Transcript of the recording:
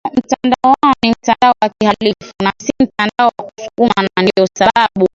mtandao wao ni mtandao wa kihalifu na si mtandao wa wasukuma Na ndio sababu